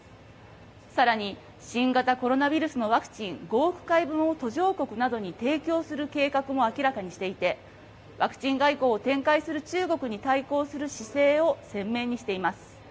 さらに新型コロナウイルスのワクチン５億回分を途上国などに提供する計画も明らかにしていて、ワクチン外交を展開する中国に対抗する姿勢を鮮明にしています。